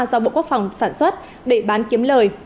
do bộ quốc phòng sản xuất để bán kiếm lời